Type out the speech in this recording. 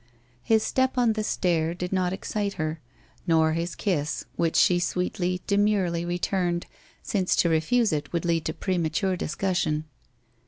His step on the stair did not excite her, nor his kiss, which she sweetly, demurely returned, since to refuse it would lead to premature discussion.